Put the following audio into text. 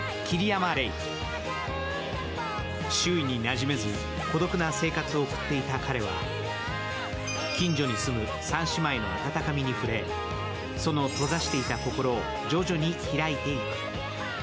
周囲になじめず、孤独な生活を送っていた彼は、近所に住む３姉妹の温かみに触れその閉ざしていた心を徐々に開いていく。